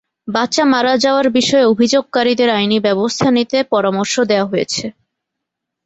বাচ্চা মারা যাওয়ার বিষয়ে অভিযোগকারীদের আইনি ব্যবস্থা নিতে পরামর্শ দেওয়া হয়েছে।